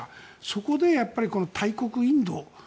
そこで大国インド。